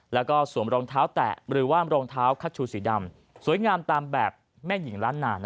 แล้วก็สวมรองเท้าแตะหรือว่ารองเท้าคัชชูสีดำสวยงามตามแบบแม่หญิงล้านนา